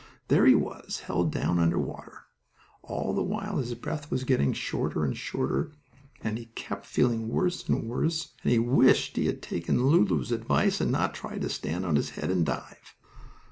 There he was, held down under water, and all the while his breath was getting shorter and shorter, and he kept feeling worse and worse, and he wished he had taken Lulu's advice and not tried to stand on his head and dive.